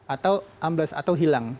atau ambles atau hilang